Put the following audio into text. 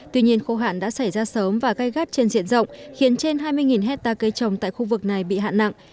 tuy nhiên khâu hạn đã xảy ra sớm và gai gắt trên diện rộng khiến trên hai mươi hectare cây trồng tại khu vực này bị hạn nặng